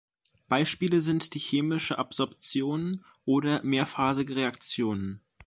Beispiele sind die Chemische Absorption oder mehrphasige Reaktionen.